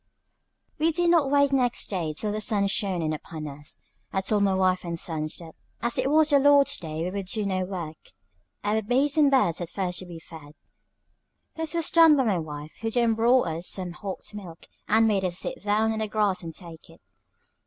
WE did not wake next day till the sun shone in upon us. I told my wife and sons that as it was the Lord's day we would do no work. Our beasts and birds had first to be fed. This was done by my wife, who then brought us some hot milk, and made us sit down on the grass and take it.